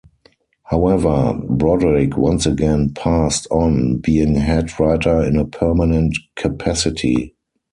However, Broderick once again passed on being head writer in a permanent capacity.